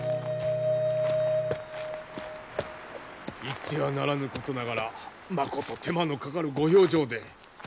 言ってはならぬことながらまこと手間のかかるご評定で。